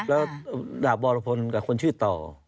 แล้วดาบวรพลกับคนชื่อต่อ